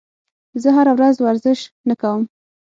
زه هره ورځ ورزش نه کوم.